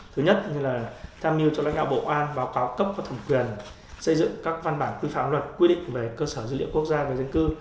thứ nhất là tham mưu cho lãnh đạo bộ an báo cáo cấp và thẩm quyền xây dựng các văn bản quy phạm luật quy định về cơ sở dữ liệu quốc gia về dân cư